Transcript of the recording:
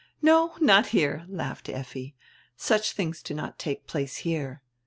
"No, not here," laughed Effi, "such tilings do not take place here.